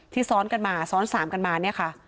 ซ้อนกันมาซ้อนสามกันมาเนี่ยค่ะ